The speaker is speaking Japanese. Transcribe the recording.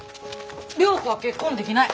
良子は結婚できない。